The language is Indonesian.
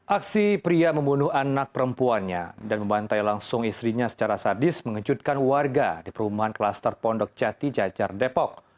aksi pria membunuh anak perempuannya dan membantai langsung istrinya secara sadis mengejutkan warga di perumahan klaster pondok jati jajar depok